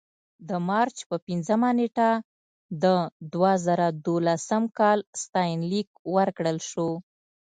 د مارچ په پنځمه نېټه د دوه زره دولسم کال ستاینلیک ورکړل شو.